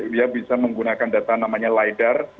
dia bisa menggunakan data namanya lidar